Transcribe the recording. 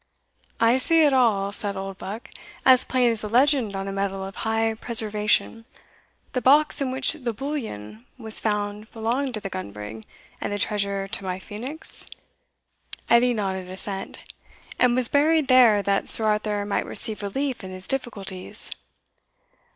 "I see it all," said Oldbuck, "as plain as the legend on a medal of high preservation the box in which the' bullion was found belonged to the gun brig, and the treasure to my phoenix?" (Edie nodded assent), "and was buried there that Sir Arthur might receive relief in his difficulties?"